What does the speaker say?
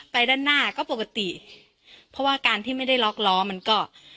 ด้านหน้าก็ปกติเพราะว่าการที่ไม่ได้ล็อกล้อมันก็